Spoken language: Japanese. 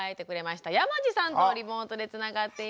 山地さんとリモートでつながっています。